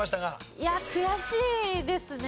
いや悔しいですね。